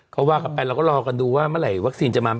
เขาว่ากันไปเราก็รอกันดูว่าเมื่อไหร่วัคซีนจะมา